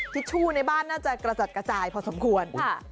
ทิชชู่ในบ้านน่าจะกระจัดกระจายพอสมควร